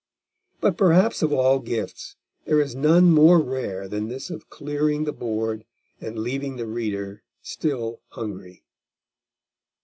But perhaps of all gifts there is none more rare than this of clearing the board and leaving the reader still hungry.